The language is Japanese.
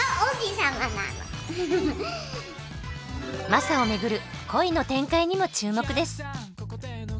マサを巡る恋の展開にも注目です。